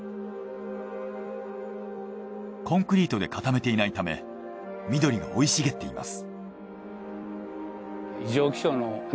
コンクリートで固めていないため緑が生い茂っています。